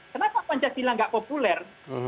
kenapa pancasila tidak populer